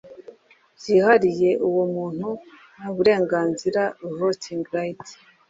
byihariye uwo muntu nta burenganzira voting right